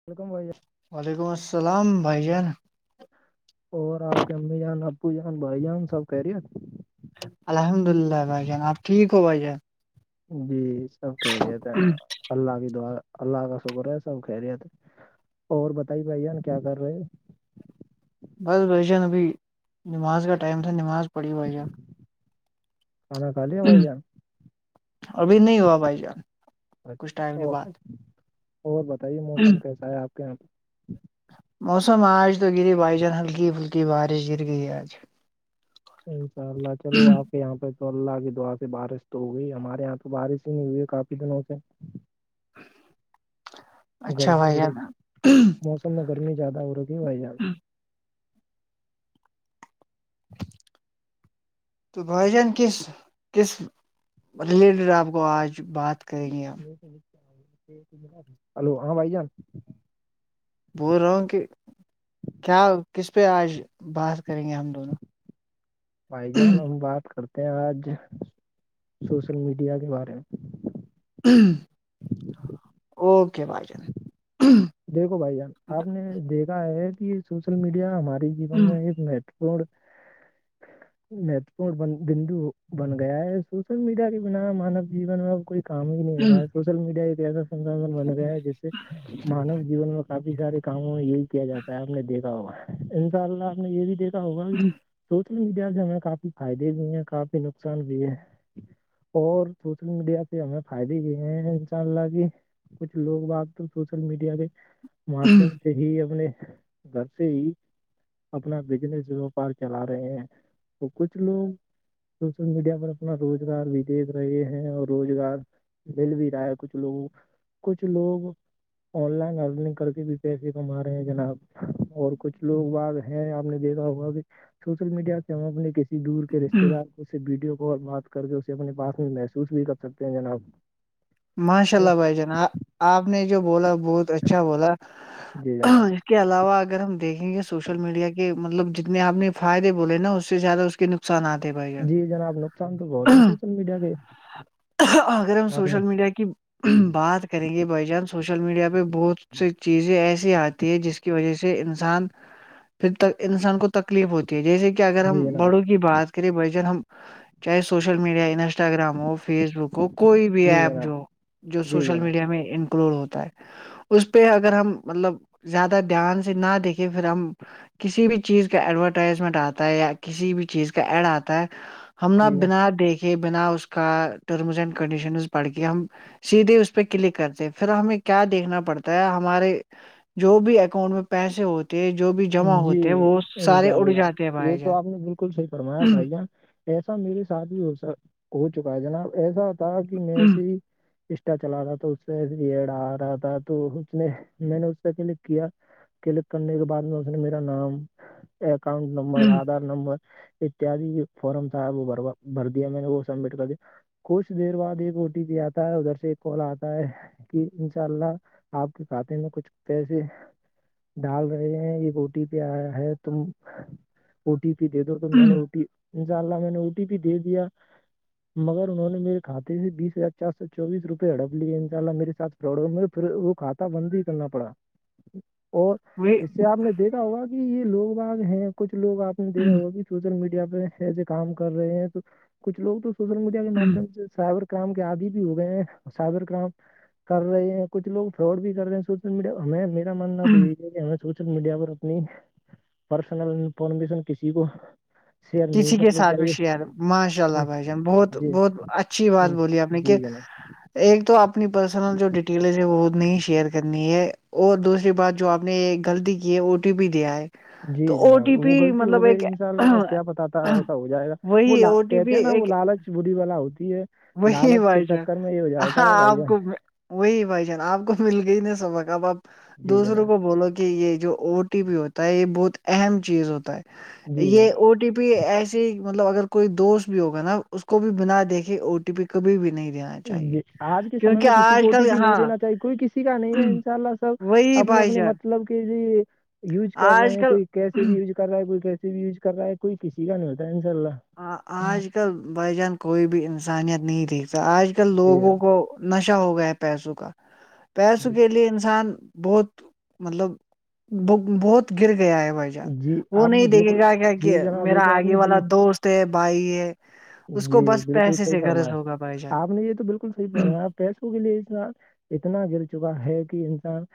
[unintelligible] وعلیکم السلام بھائی جان اور آپ کے امی جان ابو جان بھائی جان سب خیریت الحمد اللہ بائی جان آپ ٹھیک ہو بھائی جاں جی سب خیریت ہے اللہ کی دعا اللہ کا شکر ہے سب خیریت ہے اور بتائی بھائی جان کیا کر رہے بس بھائی جان ابھی نماز کا ٹائم تھا نماز پڑھی بھائی جان کھانا کھا لیا بھائی جاں ابھی نہیں ہوا بھائی جان کچھ اچھا ٹائم کے اور بعد اور بتائیے موسم کیسا ہے آپ کے یہاں پہ موسم آج تو گری بھائی جان ہلکی پھلکی بارش گر گئی آج انشاء اللہ چلو آپ یہاں پہ تو اللہ کی دعا سے بارش تو ہو گئی ہمارے یہاں تو بارش ہی نہیں ہوئی ہے کافی دنوں سے اچھا گرمی بھائی جان گرمی- موسم میں گرمی زیاد ہو رکھی بھائی جاں [inaudible] تو بھائی جان کس کس ریلیٹڈ آپ کو آج بات کریں گے ہلو ہاں بھائی جان بول رہا ہوں کہ کیا کس پہ آج بات کریں گے ہم دونوں بھائی جان ہم بات کرتے ہیں آج سوشل میڈیا کے بارے میں اوکے بھائی جان دیکھو بھائی جان آپ نے دیکھا ہے کہ یہ سوشل میڈیا ہمارے جیون میں ایک میٹ [unintelligible] مہتو پورن ب بندو بن گیا ہے سوشل میڈیا کے بنا مانو جین میں ا کوئی کام ہی نہیں کر رہا ہے سوشل میڈیا ایک ایسا سنسھن بن رہیاا ہے جس سے مانو جین میں کافی سارے کاموں میں یہی کیا جاتا ہے آپ نے دیکھا ہوگا ان شاء اللہ آپ نے یہ بھی دیکھا ا ہوگا سوشل میڈیا سے ہمیں کافی فائدے بھی ہیں کافی نقصان بھی ہے اور سوشل میڈیا سے ہمیں فائدے بھی ہیں ان شاء اللہ کی کچھ لوگ آج تو سوشل میڈیا کے مادھیم سے ہی اپنے گھرسے ہی اپنا بزنس وپار چلا رہے ہیں تو کچھ لوگ سوشل میڈیا پر اپنا روزگار بھی دیکھ رہے ہیں اور روزگار مل بھی رہا ہے کچھ لوگوں کچھ لوگ آن لائن ارننگ کر کے بھی پیسے کما رہے ہیں جناب اور کچھ لوگ بگ ہیں آپ نے دیکھا ہوا کہ سوشل میڈیا سے ہم اپنے کسی کسی دور کے رشتے دار کو سے ویڈیو کال بات کر کے اسے اپنے پاس میں محسوس بھی کر سکتے ہیں جناب ماشاء اللہ بھائی جان آپ نے جو بولا بہت اچھا بولا جی جناب اس کے علاوہ اگر ہم دیکھیں گے سوشل میڈیا کے مطلب جتنے آپ نے فائدے بولے نا اس سے زیادہ اس نقصانات ہیں بھائی جان جی جناب نقصان تو بہت ہے سوشل میڈیا کے اگر ہم سوشل میڈیا آپ نے سوشل میڈیا کی بات کریں گے بائی جان سوشل میڈیا پہ بہت سی چیزیں ایسی آتی ہے جس کی وجہ سے انسان پھر تک انسان کو تکلیف ہوتی ہے جیسے کہ اگر ہم جی جناب بڑوں کی بات کریں بھ جن ہم چاہے سوشل میڈیا انسٹ انسٹاگرام ہو فیس بک ہو کوئی بھی جی ایپ جناب جو جو جی سوشل جناب میڈیا میں انکلوڈ ہوتا ہے اس پہ اگر ہم مطلب زیادہ دھیان سے نہ دیکھیں پھر ہم کسی بھی چیز کا ایڈورٹائزمنٹ آتا ہے یا کسی بھی چیز کا ایڈ آتا ہے ہم نہ جی جناب بنا دیکھے بنا اس کا ٹرمس اینڈ کنڈیشنز پڑ کے ہم سیدھے اس پہ کلک کرتے ہیں پھر ہمیں کیا دیکھنا پڑتا ہے ہمارے جو بھی اکاؤنٹ میں پیسے ہوتے تو جو بھی جمع جی ہوتے ہیں وہ سارے انشاء اڑ اللہ جاتے ہیں یہ بھائی تو جان آپ نے بالکل صحیح فرمایا بھائی ج ایسا میرے ساتھ بھی ہو ہو چکا ہے جناب ایسا تھا کہ میں سے اسٹا چلا رہا تھا اس سے ریڑ آ رہا تھا تو اس نے میں نے اس سے کلک کیا کلک کرنے کے بعد میں اس نے میرا نام اکاؤنٹ نمبر آدھار نمبر اتیاد فارم تھا وہ بھرا بھر دیا میں نے وہ سبمٹ کر دیا کچھ دیر بعد ایک اوٹی پہ آتا ہے ادھر سے ایک کال آتا ہے کہ انشاء اللہ آپ کے کاتے میں کچھ پیسے ڈال رہے ہیں یہ او ٹی پی آیا ہے تم او ٹی پی دے دو ت میں نے اٹی انشاء اللہ میں نے او ٹی پی دے دیا مگر انہوں نے میرے خاتے سے بیس ہزار چار سو چوبیس روپئے ہڑپ لیے ان شاء اللہ میرےاتھ رڑوں میں پھر وہ کھاتا بند ہی کرنا پڑا اور وہ اس آپ نے دیکا ہوا یہ لوگ باغ ہیں کچھ لوگ آپ نے دیکھا ہوگا کہ سوشل میڈیا پہ ایسے کام کر رہے ہیں تو کچھ لوگ تو سوشل میڈیا کے ماددھیم سے سائبر کرائم کے آادی بھی ہو گئے ہیں سائبر کرائم کر رہے ہیں کچھ لوگ فراڈ بھی کر رہے ہیں س س م ہمیں میرا ماننا تو یہی ہے کہ ہمیں سوشل میڈیا پر اپنی پرسنل انفارمیشن کسی کو شیئر نہیں کسی کے کرنی ساتھ بھی چاہیے شار ماشاء اللہ بھائی جان بہت جی بہت اچھا اچھی بات بولی آپ نے کہ جی جناب ایک تو اپنی پرسنل جو ڈیٹیلز ہے وہ نہیں شیئر کرنی ہے اور دوسری بات جو آپ نے غلطی کی ہے او ٹی پی دیا ہے جی تو او جناب ٹی وہ پی غلطی ہو مطلب ایک گئی ان شاء اللہ اب کیا بتاتا ایسا ہو جائے گا وہی وہا او ٹی کہتے پی ہیں نا وہ ایک لالچ بوڑھی والا ہوتی ہے وہی لالچ کے بشہ چکر میں یہ ہو جاتا ہاں ہے بھائی آپ جان کو وہی بھائی جان آپ کو مل گئی ن سبق اب آپ جی دوسروں جناب کو بولو گے کہ یہ جو او ٹی پی ہوتا ہے یہ بہت اہم چیز ہوتا ہے جی یہ جناب او ٹی پی ایسی مطلب اگر کوئی دوست بھی ہوگا نا اس کو بھی بنا دیکھے او ٹی پی کبھی بھی نہیں دا ج آج کے سمے میں کسی کو او ٹی پی نہیں دینا ہاں چاہیے کوئی کسی ک کا نہیں ہے ان شاء اللہ سب وہی اپنے بھائی اپنے جان مطلب کہ ج یوج کر رہے آج ہیں کل کوئی کیسے بھی یوز کر رہا ہے کوئی کیس بھی یوز کر رہا ہے کوئی کسی کا نہیں ہوتا ہے انشاء اللہ ہ آج کل بائی جان کوئی بھی انسانیت نہیں دیکھتا آج کل جی لوگوں جناب، کو نشہ ہو گیا ہے پیسوں کا پیسوں جی کے لیے انسان بہت مطلب ب بہت گر گیا ہے وج جی وہ آپ نے نہیں دیکھے بالکل گا کیا کہ جی جناب یہ میرا تو آپ آگے نے والا بل دوست بھائی ہے اس کو جی بس بالکل پیسے صحیح سے گرض فرمایا ہوگا بھائی جان آپ نے یہ تو بالکل صحیح فرمایا پیسوں کے لیے انسان اتنا گر چکا ہے کہ انسان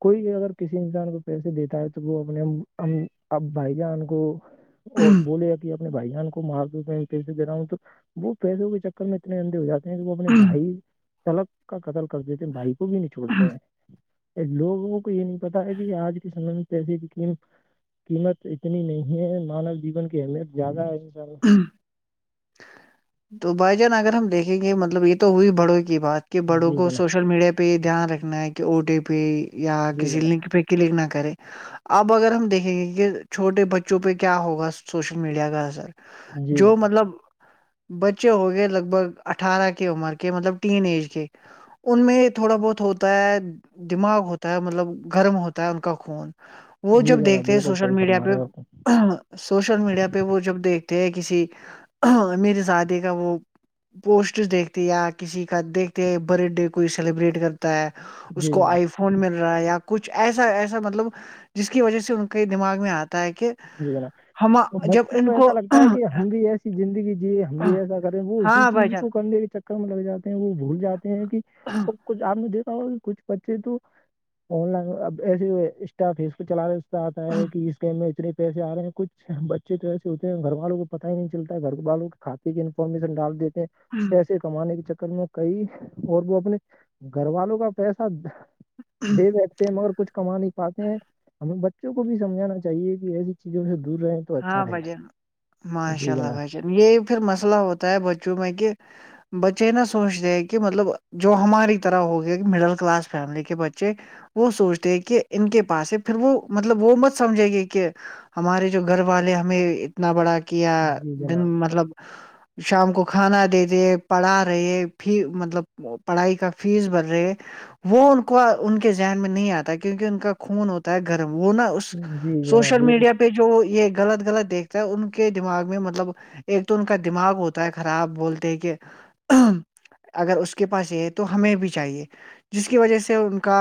کوئی بھی اگر کسی انسان کو پیسے دیتا ہے تو وہ اپنے ہم اب بھائی جان کو بولے اپنے بھائی جان کو مار دو تو پسے د رہا ہوں تو وہ پیسوں کے چکر میں اتنے اندے ہو جاتے وہ اپنے بھائی تلک کا قتل کر دیتے ہیں بھائی کو بھی نہیں چھوڑتے ہیں لوگوں کو یہ نہیں پتا ہے کہ آج کے سمے میں پیسے کی قیمت قیمت اتنی نہیں ہے مانو جیون کی اہمیت زیادہ ہے ان سارا ہاں تو بھائی جان اگر ہم دیکھیں گے مطلب یہ تو ہوئی بڑوں کی بات کہ بڑوں جی کو جناب سوشل میڈیا پہ پہ دھیان رکھنا ہے کہ او ٹی پی یا جی کسی جناب لنک پہ کلک نہ کرے اب اگر ہم دیکھیں گے کہ چھوٹے بچوں پہ کیا ہوگا سوشل میڈیا کا اثر جی جو جناب مطلب بچے ہوگئے لگ بھگ اٹھارہ کی عمر کے مطلب ین ایج کے ان میں تھوڑا بہت ہوتا ہے دماغ ہوتا ہے مطلب گرم ہوتا ہے ان کا خون وہ جی جب جناب دیکھتے بالکل سوشل صحیح میڈیا فرما رہے ہو آپ پہ سوشل میڈیا پہ وہ جب دیکھتے ہیں کسی میرے شادی کا وہ پوسٹ دیکھتے یا کسی کا دیکھتے برتھ ڈے کوئی سیلیبریٹ کرتے ہے اس جی کو جناب آئیف فون مل رہا ہے یا کچھ ایسا ایسا مطلب جس کی وجہ سے ان کے دماغ میں آتا ہے کہ جی را ہم تو جب بچوں کو ان ایسا لگتا ہے کہ ہگی ایسی زندگی جی ہم یہ ایسا کریں وہ اسی ہاں چیز بھائی جان کو کرنے کے چکر میں لگ جاتے ہیں وہ بھول جاتے ہیں کہ وہ کچھ آپ نے دیکھا ہوا کہ کچھ بچے تو آن لائن اب ایسے انسٹا فیسک چلا رہ آتا ہے کہ اس گیم میں اتنے پیسے آ رہے ہیں کچھ بچے تو ایسے ہوتے ہیں گھر والوں کو پت ہی نہیں چلتا ہے گھر والوں کے کھاتے کی انفارمیشن ڈال دیتے ہیں پیسے کمانے کے چکر میں کئی اور وہ اپنے گھر والوں کا پیسہ دے بیٹھتے ہیں مگر کچھ کما نہیں پاتے ہیں ہمیں بچوں کو بھی سمجھانا چاہیے کہ ایسی چیزوں سے دور رہے تو ہاں اچھا گا بھجن ماشاء جی اللہ جناب بھجن یہی پھر مسئلہ ہوتا ہے بچوں میں کہ بچے نہا سوچتے ہیں کہ مطلب جو ہماری طرح ہو گیا کہ مڈل کلاس فیملی کے بچے وہ سوچتے ہیں کہ ان کے پاس ہے پھر وہ مطلب وہ مت سمجھے گے کہ ہمارے جو گھر والے ہمیں اتنا بڑا کیا جی دن جناب مطلب شام کو کھانا دے رہے پڑھا رہے مطلب پڑھائی کا فیس بھرھ رہے ہے وہ ان کو ان کے ذہن میں نہیں آتا کیونکہ ان کا خون ہوتا ہے گرم وہ نہا اس جی جناب سوشل بالکل میڈیا پہ جو یہ غلط غلط دیکھتا ہے ان کے دماغ میں مطلب ایک تو ان کا دماغ ہوتا ہے خراب بولتے کہ جی اگر اس کے پاس یہ ہے تو ہمیں بھی چاہیے جس کی وجہ سے ان کا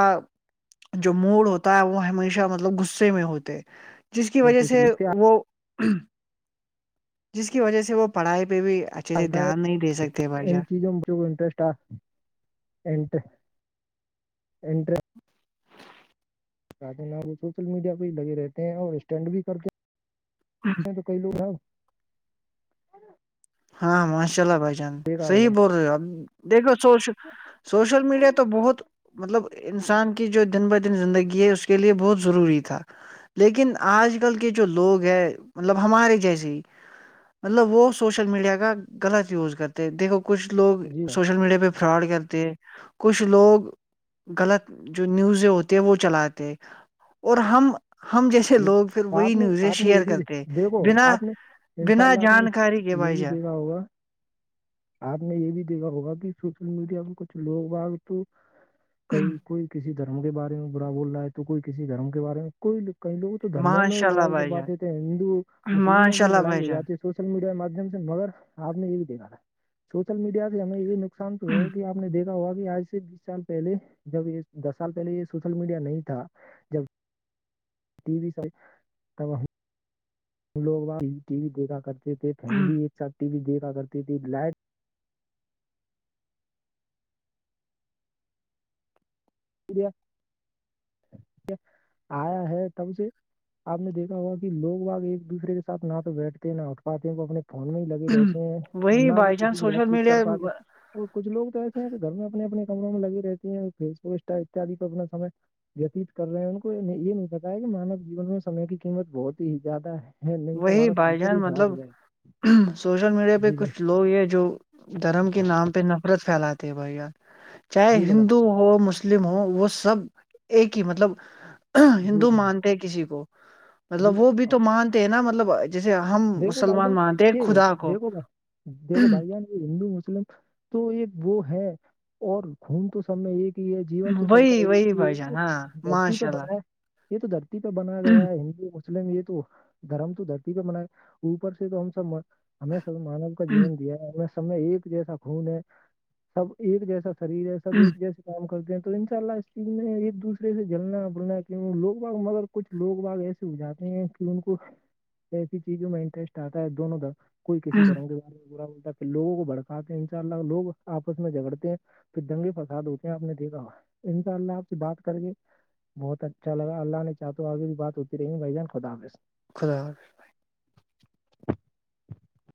جو موڈ ہوتا ہے وہ ہمیشہ مطلب غصے میں ہوتے جس کی اور وجہ کچھ سے اس کے وہ جس کی وجہ سے وہ پڑھائی پہ بھی اچا تا ہے ان چیزوں میں مھے کو انٹرسٹ ہے انینٹر انینٹر چتے ن وہ سوشل میڈیا پہ ہی لگے رہتے ہیں اور اسٹینڈ بھی کرتے ہاں تو کئی لگ ہیں ہاں ماشا اللہ بھائی جان دیکھا صحیح ہوگا بول رہے ہو اب دیکھو چ سوشل میڈیا تو بہت مطلب انسان کی جو دن بہ دن زندگی ہے اس کے لیے بہت ضروری تھا لیکن آج کل کے جو لوگ ہے مطلب ہمارے جیسے ہی مطلب وہ سوشل میڈیا کا غلط یوز کرتے دیکھو کچھ لوگ جی ہاں سوشل میڈیا پہ فراڈ کرتے ہیں کچھ لوگ غلط جو نیوزیں ہوتی ہے وہ چلاتے اور ہم ہم جیسے جی لوگ پھر وہی آپ نے نیوزیں آپ نے یہ شیئر بھی کرتے دیکھو بنا آپ نے انشاء بنا اللہ آپ نے جانکاری کے یہ بھائی بھی جان دیکھا ہوگا آپ نے یہ بھی دیکھا ہوگا کہ سوشل میڈیا ا کچھ لوگ آگ تو کئی کوئی کسی دھرم کے بارے میں برا بول رہا ہے تو کوئی کسی دھرم کے بارے میں کوئی کئی لوگ تو دھرموں میں ماشاء اللہ لڑائی کر بھائی جان پاتے تھے ہندو مسلم میں ماشاء بھی اللہ لڑائی بھائی ہو جان جاتی ہے سوشل میڈیا کے مادھیم سے مگر آپ نے یہ بھی دیکھا تھا سوشل میڈیا سے ہمیں یہ ن نقصان تو ہے کہ آپ نے دیک ہوا کہ آج سے بیس سال پہلے جب یہ دس سال پہلے یہ سوشل میڈیا نہیں تھا جب ٹی و سب ہم لوگاں ٹی وی دیکھا کرتے تھے فیملی ایک ساتھ ٹی وی دیکھا کرتے تے لائٹ آیا ہے تب سے آپ نے دیکھا ہوا کہ لوگ آگ ایک دوسر کے سھ نہ تو بیٹھتے ہیں نہ اٹھاتے ہیں وہ اپنے فون میں ہی لگے رہتے ہیں اور وہی نہ وہ بائی کسی چانس سے بات سوشل چیت کر میڈیا پاتے اور کچھ لوگ تو ایسے ہیں کہ گھر میں اپنے اپنے کمروں میں لگی رہتی ہیں فسسٹا اتیاد پ اپنا سمے وتیت کر رہے ہیں ان کو یہ نہیں پتا ہے کہ مانو جیون میں سمے کی قیمت بہت ہی زیادہ ہے نہیں تو وہی ہمارا بائی فیوچر چانس ہی خراب مطلب ہو جائے گا۔ سوشل میڈیا پہ جی جناب کچھ لوگ یہ جو دھرم کے نام پہ نفرت پھیلاتے بھائی یار چاہے جی جناب ہندو ہو ہو مسلم ہو وہ سب ایک ہی مطلب جی ہندو جناب مان کسی کو جی مطلب وہ بھی جناب تو مانتے ہیں نا مطلب جیسے ہم دیکھو بھائی مسلمان جان مانتے ہیں یہ خدا کو دیکھو بھائی دیکھو بھائی جان ہندو مسلم تو ایک وہ ہے اور گھوم تو سب میں ایک کہ یہ جیون تو سب کا وہی یہ وہی ہی ہے بھائی یہ جان تو ہاں دھرتی پہ ماشاء اللہ بنا ہے یہ تو دھرتی پہ بنایا گیا ہے ہندو مسلم یہ تو دھرم تو دھرتی پہ بنایا اوپر سے تو ہم سب ہمیں سب مانو کا جیون دیا ہے ہم سب میں ایک جیسا خون ہے سب ایک جیسا شریر ہے سب ایک جیسے کام کرتے ہیں تو ان شاء اللہ اسٹ میں ایک دوسرے سے جلنا بلنا کیوں لوگ باگ مگر کچھ لوگ باگ ایسے ہو جاتے ہیں کہ ان کو ایسی چیزوں میں انٹرسٹ آتا ہے دونوں کا کوئی کسی طرح کے با ہوتا ہے پھر لوگوں کو بڑکاتے ہیں ان شاء اللہ لوگ آپس میں جگڑتے ہیں پھر دنگے فساد ہوتے ہیں آپ نے دیکھا ان شاء اللہ آپ سے بات کر کے بہت اچھا لا اللہ نے چاہ تو آگے بھی بات ہوتی رہی بائی جان خدافظ خدا حافظ